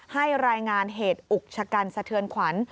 ให้รายงานเหตุอุกชะกันสะเทือนขวัญ